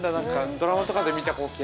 ドラマとかで見た光景。